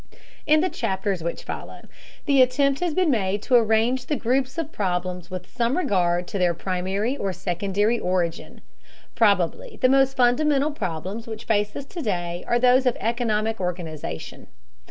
In the chapters which follow, the attempt has been made to arrange the groups of problems with some regard to their primary or secondary origin. Probably the most fundamental problems which face us to day are those of economic organization.